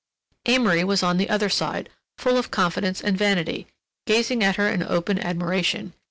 Amory was on the other side, full of confidence and vanity, gazing at her in open admiration.